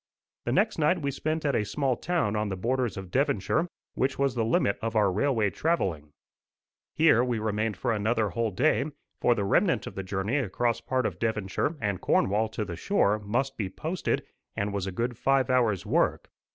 The next night we spent at a small town on the borders of Devonshire, which was the limit of our railway travelling. Here we remained for another whole day, for the remnant of the journey across part of Devonshire and Cornwall to the shore must be posted, and was a good five hours' work.